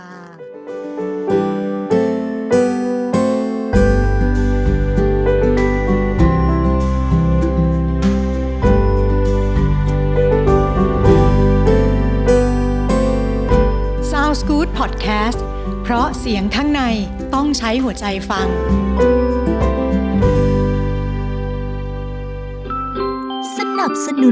โรคพยาบาลปาโลรักษายังเข้าถึงดูแลยังเข้าใจ